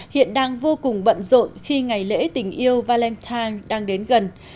hiện đang vô cùng bận rộn khi ngày lễ tình yêu valentine đang đến gần